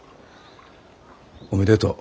おめでとう。